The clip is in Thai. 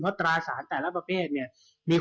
ตราสารแต่ละประเภทเนี่ย